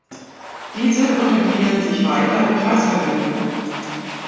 Diese untergliedern sich weiter in Kreisverbände.